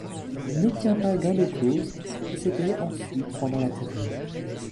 Il n'obtient pas gain de cause, et se tait ensuite pendant la Terreur.